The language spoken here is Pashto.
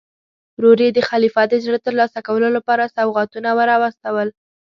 ورور یې د خلیفه د زړه ترلاسه کولو لپاره سوغاتونه ور واستول.